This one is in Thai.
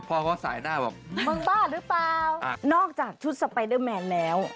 พ่อเขาสายหน้าบอกมึงบ้าหรือเปล่านอกจากชุดสไปเดอร์แมนแล้ว